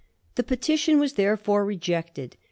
The petition was therefore rejected.